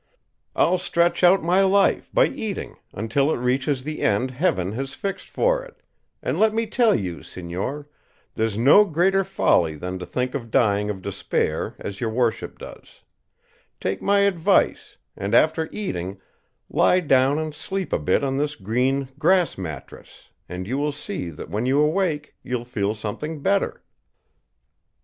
I'll stretch out my life by eating until it reaches the end heaven has fixed for it; and let me tell you, señor, there's no greater folly than to think of dying of despair as your worship does; take my advice, and after eating lie down and sleep a bit on this green grass mattress, and you will see that when you awake you'll feel something better."